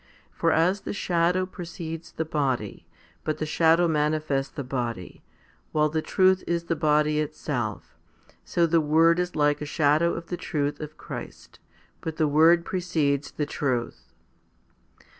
For as the shadow precedes the body, but the shadow manifests the body, while the truth is the body itself, so the word is like a shadow of the truth of Christ. But the word precedes the truth.